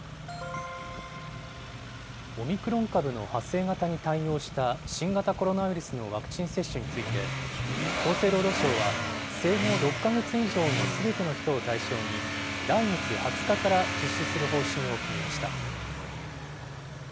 オミクロン株の派生型に対応した新型コロナウイルスのワクチン接種について、厚生労働省は、生後６か月以上のすべての人を対象に、来月２０日から実施する方針を決めました。